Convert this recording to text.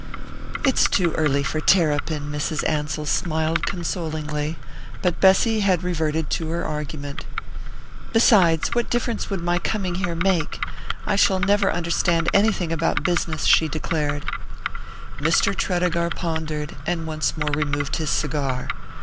"It's too early for terrapin," Mrs. Ansell smiled consolingly; but Bessy had reverted to her argument. "Besides, what difference would my coming here make? I shall never understand anything about business," she declared. Mr. Tredegar pondered, and once more removed his cigar.